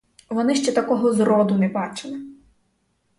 Вони ще такого зроду не бачили.